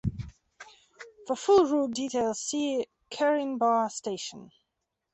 For full route details see Caringbah Station.